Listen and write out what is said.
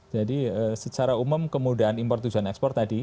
jadi secara umum kemudahan import tujuan ekspor tadi